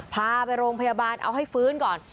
พาไปโรงพยาบาลเอาให้ฟื้นก่อน